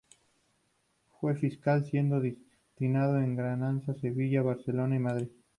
Fue fiscal, siendo destinado en Granada, Sevilla, Barcelona y Madrid.